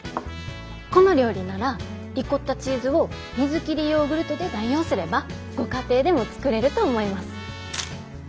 この料理ならリコッタチーズを水切りヨーグルトで代用すればご家庭でも作れると思います。